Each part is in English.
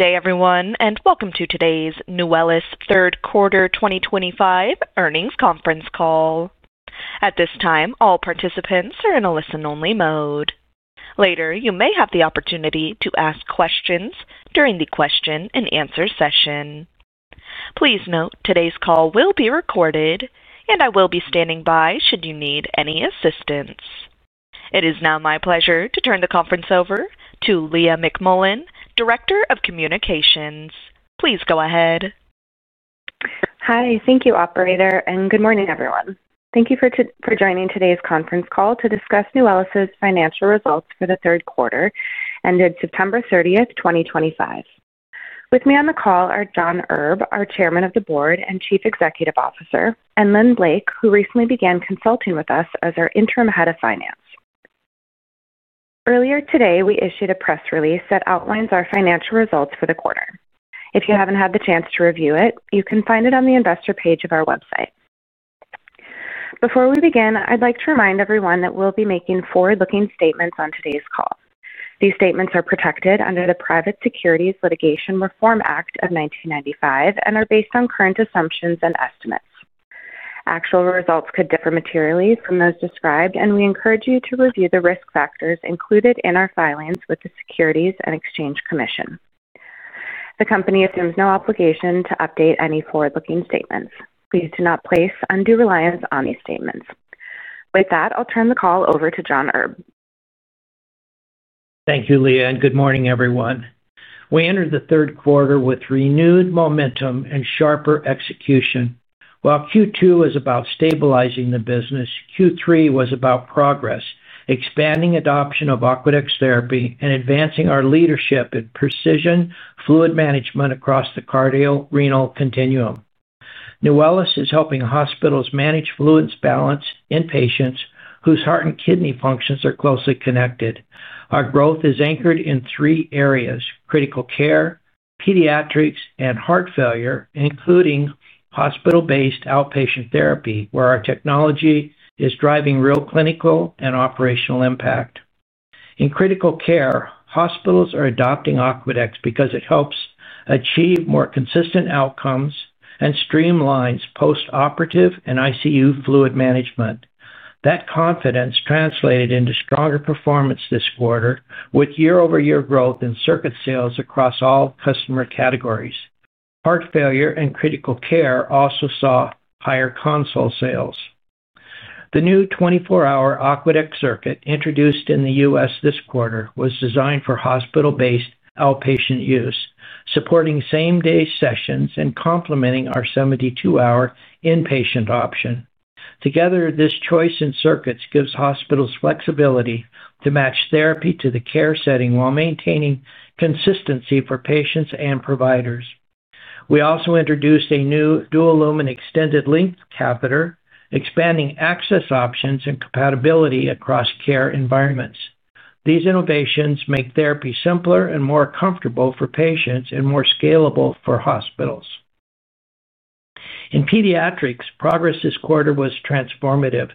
Good day, everyone, and welcome to today's Nuwellis Third Quarter 2025 earnings conference call. At this time, all participants are in a listen-only mode. Later, you may have the opportunity to ask questions during the question-and-answer session. Please note, today's call will be recorded, and I will be standing by should you need any assistance. It is now my pleasure to turn the conference over to Leah McMullen, Director of Communications. Please go ahead. Hi, thank you, Operator, and good morning, everyone. Thank you for joining today's conference call to discuss Nuwellis' financial results for the third quarter ended September 30, 2025. With me on the call are John Erb, our Chairman of the Board and Chief Executive Officer, and Lynn Blake, who recently began consulting with us as our Interim Head of Finance. Earlier today, we issued a press release that outlines our financial results for the quarter. If you haven't had the chance to review it, you can find it on the investor page of our website. Before we begin, I'd like to remind everyone that we'll be making forward-looking statements on today's call. These statements are protected under the Private Securities Litigation Reform Act of 1995 and are based on current assumptions and estimates. Actual results could differ materially from those described, and we encourage you to review the risk factors included in our filings with the Securities and Exchange Commission. The company assumes no obligation to update any forward-looking statements. Please do not place undue reliance on these statements. With that, I'll turn the call over to John Erb. Thank you, Leah, and good morning, everyone. We entered the third quarter with renewed momentum and sharper execution. While Q2 was about stabilizing the business, Q3 was about progress, expanding adoption of Aquadex therapy, and advancing our leadership in precision fluid management across the cardiorenal continuum. Nuwellis is helping hospitals manage fluid balance in patients whose heart and kidney functions are closely connected. Our growth is anchored in three areas: critical care, pediatrics, and heart failure, including hospital-based outpatient therapy, where our technology is driving real clinical and operational impact. In critical care, hospitals are adopting Aquadex because it helps achieve more consistent outcomes and streamlines post-operative and ICU fluid management. That confidence translated into stronger performance this quarter, with year-over-year growth in circuit sales across all customer categories. Heart failure and critical care also saw higher console sales. The new 24-hour Aquadex circuit introduced in the U.S. This quarter was designed for hospital-based outpatient use, supporting same-day sessions and complementing our 72-hour inpatient option. Together, this choice in circuits gives hospitals flexibility to match therapy to the care setting while maintaining consistency for patients and providers. We also introduced a new dual-lumen extended length catheter, expanding access options and compatibility across care environments. These innovations make therapy simpler and more comfortable for patients and more scalable for hospitals. In pediatrics, progress this quarter was transformative.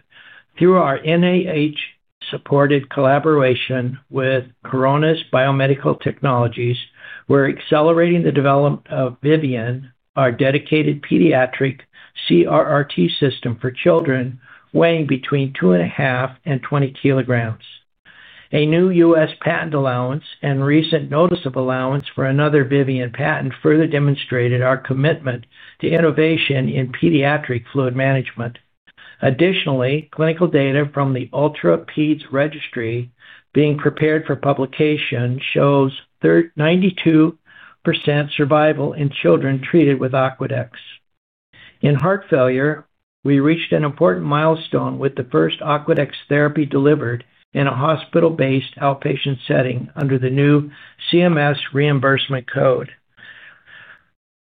Through our NIH-supported collaboration with Coronas Biomedical Technologies, we're accelerating the development of Vivian, our dedicated pediatric CRRT system for children weighing between 2.5 and 20 kg. A new U.S. patent allowance and recent notice of allowance for another Vivian patent further demonstrated our commitment to innovation in pediatric fluid management. Additionally, clinical data from the Ultra Peds registry being prepared for publication shows 92% survival in children treated with Aqueduct. In heart failure, we reached an important milestone with the first Aqueduct therapy delivered in a hospital-based outpatient setting under the new CMS reimbursement code.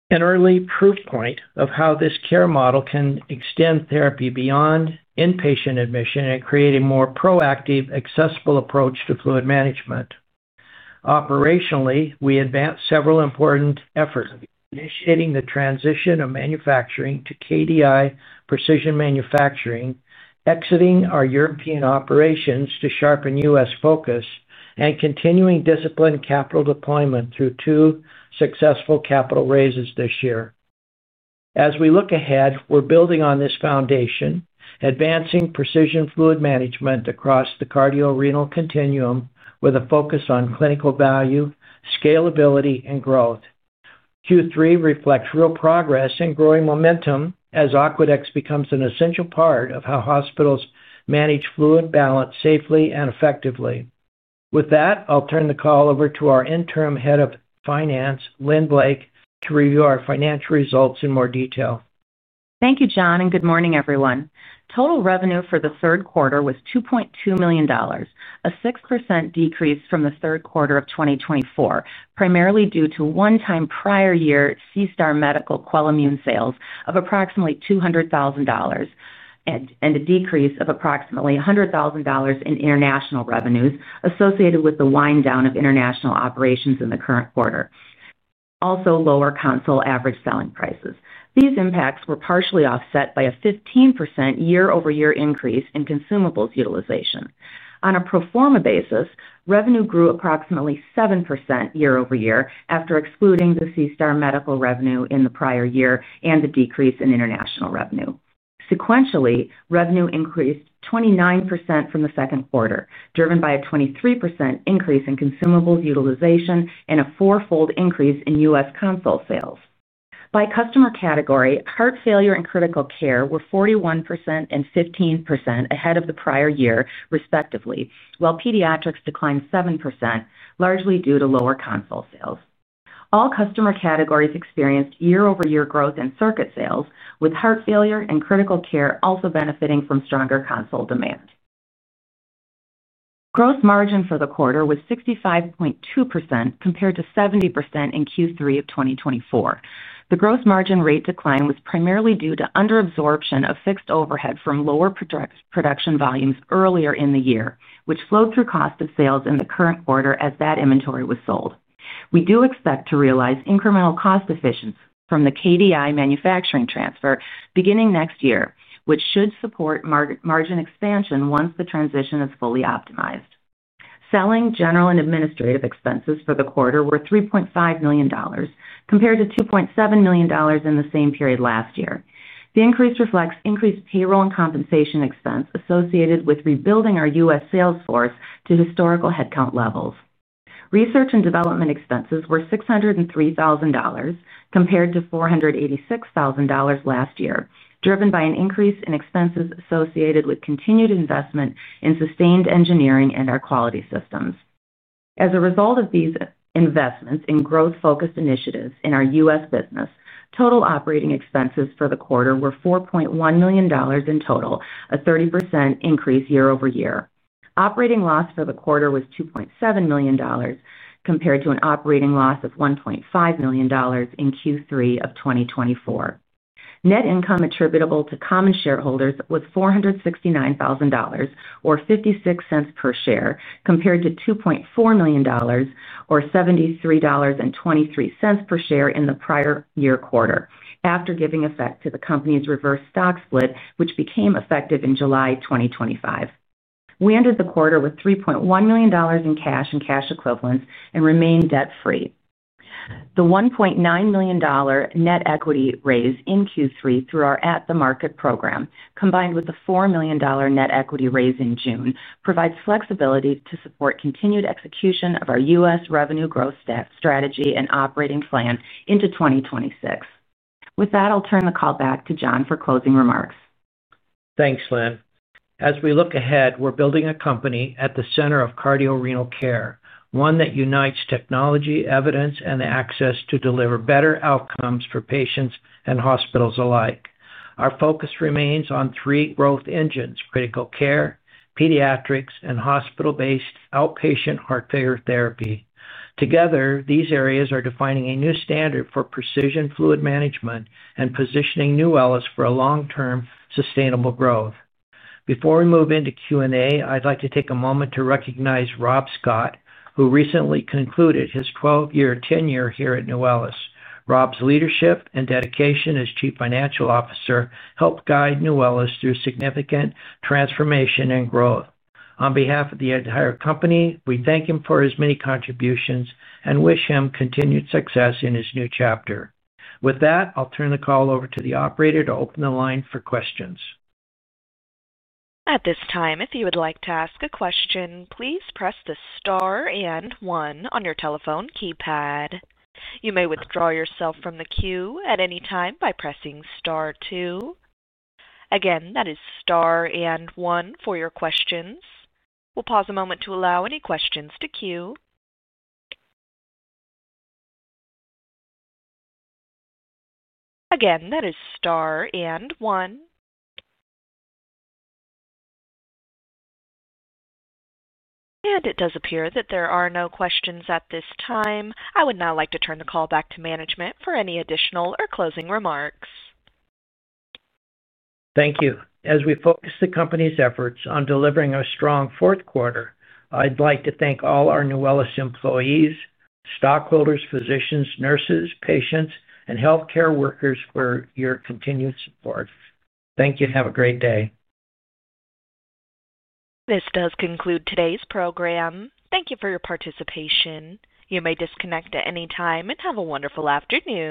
An early proof point of how this care model can extend therapy beyond inpatient admission and create a more proactive, accessible approach to fluid management. Operationally, we advanced several important efforts, initiating the transition of manufacturing to KDI Precision Manufacturing, exiting our European operations to sharpen U.S. focus, and continuing disciplined capital deployment through two successful capital raises this year. As we look ahead, we're building on this foundation, advancing precision fluid management across the cardiorenal continuum with a focus on clinical value, scalability, and growth. Q3 reflects real progress and growing momentum as Aqueducts become an essential part of how hospitals manage fluid balance safely and effectively. With that, I'll turn the call over to our Interim Head of Finance, Lynn Blake, to review our financial results in more detail. Thank you, John, and good morning, everyone. Total revenue for the third quarter was $2.2 million, a 6% decrease from the third quarter of 2024, primarily due to one-time prior year Seastar Medical Quellimune sales of approximately $200,000 and a decrease of approximately $100,000 in international revenues associated with the wind-down of international operations in the current quarter, also lower console average selling prices. These impacts were partially offset by a 15% year-over-year increase in consumables utilization. On a proforma basis, revenue grew approximately 7% year-over-year after excluding the Seastar Medical revenue in the prior year and the decrease in international revenue. Sequentially, revenue increased 29% from the second quarter, driven by a 23% increase in consumables utilization and a four-fold increase in U.S. console sales. By customer category, heart failure and critical care were 41% and 15% ahead of the prior year, respectively, while pediatrics declined 7%, largely due to lower console sales. All customer categories experienced year-over-year growth in circuit sales, with heart failure and critical care also benefiting from stronger console demand. Gross margin for the quarter was 65.2% compared to 70% in Q3 of 2024. The gross margin rate decline was primarily due to underabsorption of fixed overhead from lower production volumes earlier in the year, which flowed through cost of sales in the current quarter as that inventory was sold. We do expect to realize incremental cost efficiency from the KDI Precision Manufacturing transfer beginning next year, which should support margin expansion once the transition is fully optimized. Selling, general and administrative expenses for the quarter were $3.5 million, compared to $2.7 million in the same period last year. The increase reflects increased payroll and compensation expense associated with rebuilding our U.S. sales force to historical headcount levels. Research and development expenses were $603,000 compared to $486,000 last year, driven by an increase in expenses associated with continued investment in sustained engineering and our quality systems. As a result of these investments in growth-focused initiatives in our U.S. business, total operating expenses for the quarter were $4.1 million in total, a 30% increase year-over-year. Operating loss for the quarter was $2.7 million compared to an operating loss of $1.5 million in Q3 of 2024. Net income attributable to common shareholders was $469,000 or $0.56 per share, compared to $2.4 million or $73.23 per share in the prior year quarter, after giving effect to the company's reverse stock split, which became effective in July 2025. We ended the quarter with $3.1 million in cash and cash equivalents and remained debt-free. The $1.9 million net equity raise in Q3 through our At the Market program, combined with the $4 million net equity raise in June, provides flexibility to support continued execution of our U.S. revenue growth strategy and operating plan into 2026. With that, I'll turn the call back to John for closing remarks. Thanks, Lynn. As we look ahead, we're building a company at the center of cardiorenal care, one that unites technology, evidence, and access to deliver better outcomes for patients and hospitals alike. Our focus remains on three growth engines: critical care, pediatrics, and hospital-based outpatient heart failure therapy. Together, these areas are defining a new standard for precision fluid management and positioning Nuwellis for a long-term sustainable growth. Before we move into Q&A, I'd like to take a moment to recognize Rob Scott, who recently concluded his 12-year tenure here at Nuwellis. Rob's leadership and dedication as Chief Financial Officer helped guide Nuwellis through significant transformation and growth. On behalf of the entire company, we thank him for his many contributions and wish him continued success in his new chapter. With that, I'll turn the call over to the Operator to open the line for questions. At this time, if you would like to ask a question, please press the star and one on your telephone keypad. You may withdraw yourself from the queue at any time by pressing star two. Again, that is star and one for your questions. We'll pause a moment to allow any questions to queue. Again, that is star and one. It does appear that there are no questions at this time. I would now like to turn the call back to management for any additional or closing remarks. Thank you. As we focus the company's efforts on delivering a strong fourth quarter, I'd like to thank all our Nuwellis employees, stockholders, physicians, nurses, patients, and healthcare workers for your continued support. Thank you and have a great day. This does conclude today's program. Thank you for your participation. You may disconnect at any time and have a wonderful afternoon.